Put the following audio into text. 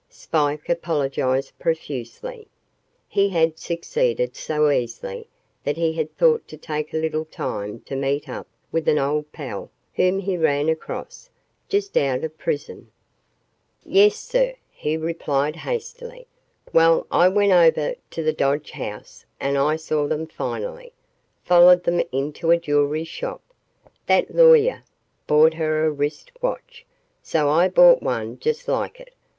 Spike apologized profusely. He had succeeded so easily that he had thought to take a little time to meet up with an old pal whom he ran across, just out of prison. "Yes sir," he replied hastily, "well, I went over to the Dodge house, and I saw them finally. Followed them into a jewelry shop. That lawyer bought her a wrist watch. So I bought one just like it.